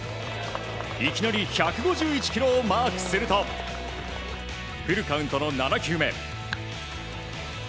いきなり１５１キロをマークするとフルカウントの７球目。